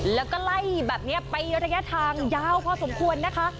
แล้วก็ไล่แบบนี้ไประยะทางยาวพอสมควรนะคะ